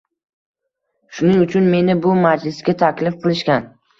Shuning uchun meni bu majlisga taklif qilishgan.